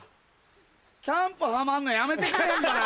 キャンプハマんのやめてくれへんかな？